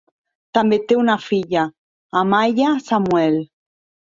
També té una filla, Amaiya Samuel.